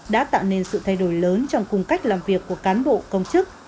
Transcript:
đã tạo nên sự thay đổi lớn trong cùng cách làm việc của cán bộ công chức